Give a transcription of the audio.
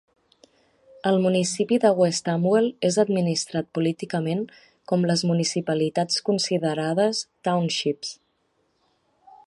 El municipi de West Amwell és administrat políticament com les municipalitats considerades "townships".